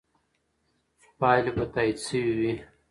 پایلې به تایید شوې وي.